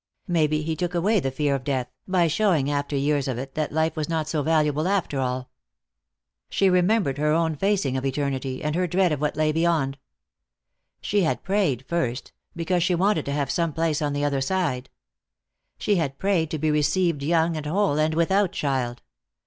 Maybe He took away the fear of death, by showing after years of it that life was not so valuable after all. She remembered her own facing of eternity, and her dread of what lay beyond. She had prayed first, because she wanted to have some place on the other side. She had prayed to be received young and whole and without child.